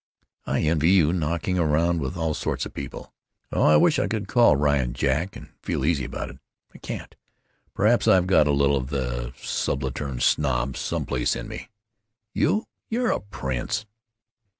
I envy you, knocking around with all sorts of people. Oh, I wish I could call Ryan 'Jack' and feel easy about it. I can't. Perhaps I've got a little of the subaltern snob some place in me." "You? You're a prince."